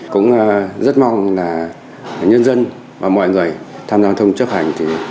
cũng rất mong là nhân dân và mọi người tham gia giao thông chấp hành